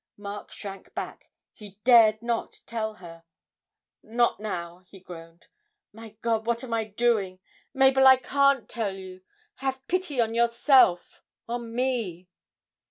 Mark shrank back; he dared not tell her. 'Not now,' he groaned. 'My God! what am I doing? Mabel, I can't tell you; have pity on yourself on me!'